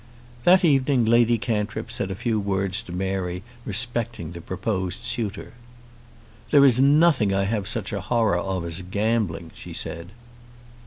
That evening Lady Cantrip said a few words to Mary respecting the proposed suitor. "There is nothing I have such a horror of as gambling," she said.